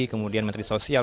kemudian menteri sosial